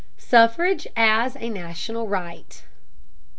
SUFFRAGE AS A NATURAL RIGHT.